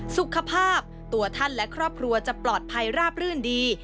สุขภาพตัวท่านและครอบครัวจะปลอดภัยราบรื่นดี